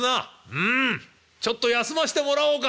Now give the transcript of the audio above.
「うんちょっと休ましてもらおうか。